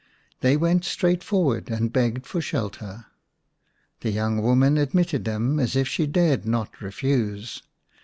They went straight forward and begged for shelter. The young woman admitted them as if she dared not refuse.